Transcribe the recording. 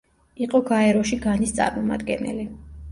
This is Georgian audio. იყო გაეროში განის წარმომადგენელი.